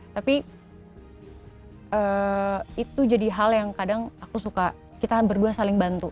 tapi itu jadi hal yang kadang aku suka kita berdua saling bantu